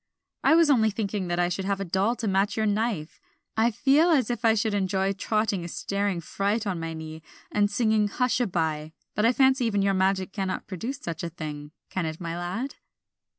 "I was only thinking that I should have a doll to match your knife. I feel as if I should enjoy trotting a staring fright on my knee, and singing Hush a by. But I fancy even your magic cannot produce such a thing, can it, my lad?"